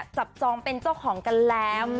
จองเป็นเจ้าของกันแล้ว